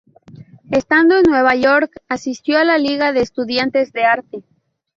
Estando en Nueva York, asistió a la Liga de Estudiantes de Arte.